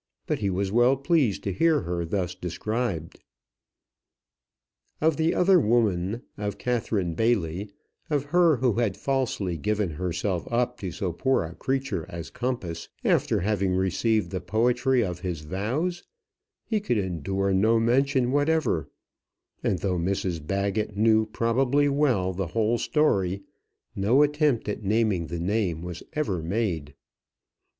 But he was well pleased to hear her thus described. Of the other woman, of Catherine Bailey, of her who had falsely given herself up to so poor a creature as Compas, after having received the poetry of his vows, he could endure no mention whatever; and though Mrs Baggett knew probably well the whole story, no attempt at naming the name was ever made.